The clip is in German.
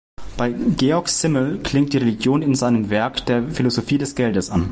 Bei Georg Simmel klingt die Religion in seinem Werk der „Philosophie des Geldes“ an.